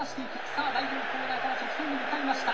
さあ第４コーナーから直線に向かいました。